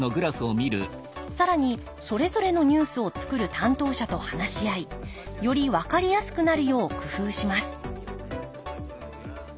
更にそれぞれのニュースを作る担当者と話し合いより分かりやすくなるよう工夫します